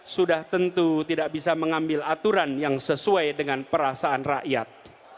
sudah tentu tidak bisa mengambil aturan yang sesuai dengan perasaan rakyat